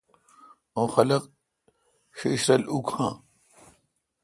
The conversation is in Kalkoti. اوں خلق ݭݭ رل اوکاں